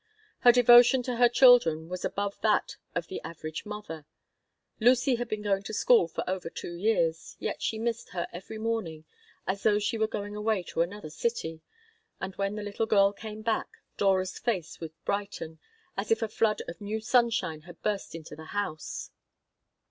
Her devotion to her children was above that of the average mother. Lucy had been going to school for over two years, yet she missed her every morning as though she were away to another city; and when the little girl came back, Dora's face would brighten, as if a flood of new sunshine had burst into the house.